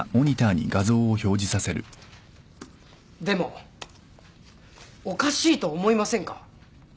でもおかしいと思いませんか？